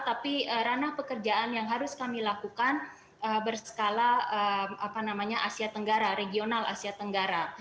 tapi ranah pekerjaan yang harus kami lakukan berskala asia tenggara regional asia tenggara